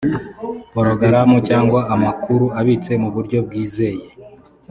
porogaramu cyangwa amakuru abitse mu buryo bwizeye